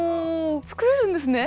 作れるんですね！